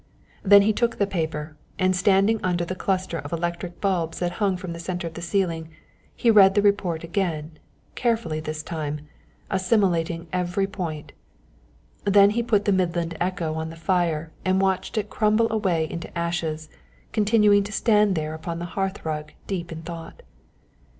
Then he took the paper, and standing under the cluster of electric bulbs that hung from the centre of the ceiling, he read the report again, carefully this time, assimilating every point. Then he put the Midland Echo on the fire and watched it crumble away into ashes, continuing to stand there upon the hearthrug deep in thought.